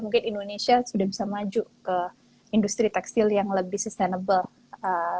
mungkin indonesia sudah bisa maju ke industri tekstil yang lebih sustainable